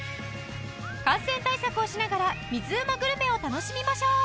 感染対策をしながら水うまグルメを楽しみましょう！